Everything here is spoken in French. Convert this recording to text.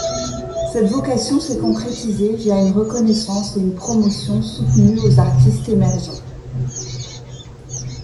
Cette vocation s’est concrétisée via une reconnaissance et une promotion soutenues aux artistes émergents.